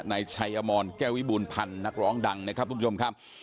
นายชัยอมรแก้ววิบูรณพันธ์นักร้องดังนะครับทุกผู้ชมครับ